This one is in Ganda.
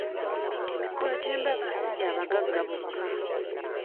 Emikolo gy'embaga si gya bagagga bokka.